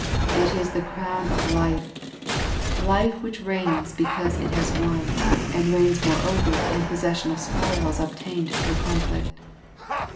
It is the crown of life, life which reigns because it has won, and reigns moreover in possession of spoils obtained through conflict.